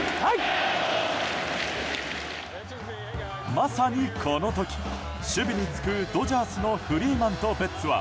まさにこの時守備に就くドジャースのフリーマンとベッツは